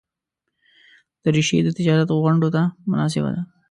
دریشي د تجارت غونډو ته مناسبه ده.